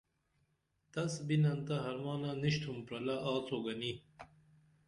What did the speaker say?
تس بِنن تہ حرمانہ نِشِتُھم پرَلہ آڅو گنی